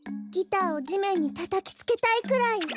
ギターをじめんにたたきつけたいくらい。